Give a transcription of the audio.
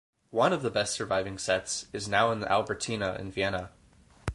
One of the best surviving sets is now in the Albertina in Vienna.